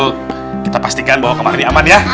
kita pastikan bahwa kemangkadi aman ya